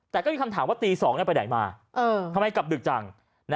แต่ก็มีคำถามว่าตี๒ไปไหนมาทำไมกลับดึกจัง